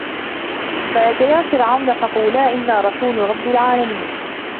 فَأتِيا فِرعَونَ فَقولا إِنّا رَسولُ رَبِّ العالَمينَ